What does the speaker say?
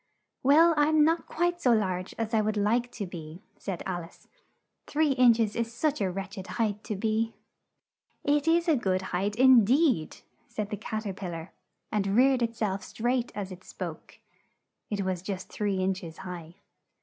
"Well, I'm not quite so large as I would like to be," said Al ice; "three inch es is such a wretch ed height to be." "It is a good height, in deed!" said the Cat er pil lar, and reared it self up straight as it spoke. (It was just three inch es high.)